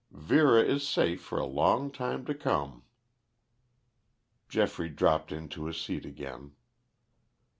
Vera is safe for a long time to come." Geoffrey dropped into his seat again.